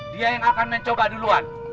dia yang akan mencoba duluan